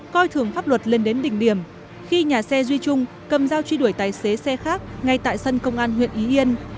coi thường pháp luật lên đến đỉnh điểm khi nhà xe duy trung cầm dao truy đuổi tài xế xe khác ngay tại sân công an huyện ý yên